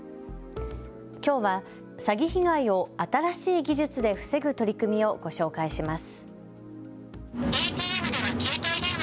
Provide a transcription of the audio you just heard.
きょうは詐欺被害を新しい技術で防ぐ取り組みをご紹介します。